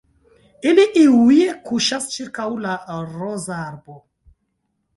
Ili iuj kuŝas ĉirkaŭ la rozarbo.